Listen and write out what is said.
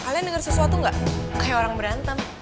kalian denger sesuatu gak kayak orang berantem